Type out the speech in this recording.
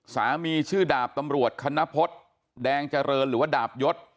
สามีชื่อดาบตำรวจคณพฤษแดงเจริญหรือว่าดาบยศ